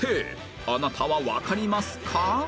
あなたはわかりますか？